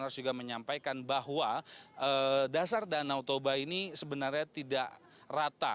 dan juga menyampaikan bahwa dasar danau toba ini sebenarnya tidak rata